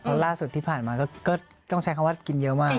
เพราะล่าสุดที่ผ่านมาก็ต้องใช้คำว่ากินเยอะมาก